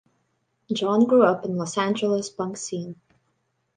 John grew up in Los Angeles' punk scene.